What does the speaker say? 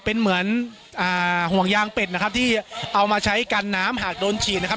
เป็นเหมือนอ่าห่วงยางเป็ดนะครับที่เอามาใช้กันน้ำหากโดนฉีดนะครับ